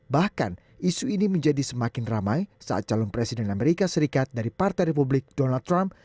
bahkan isu ini menjadi semakin ramai saat calon presiden amerika serikat dari partai republik donald trump